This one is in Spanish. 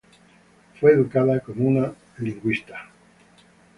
Fue educada como una lingüista.